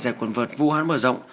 giải quân vượt vũ hán mở rộng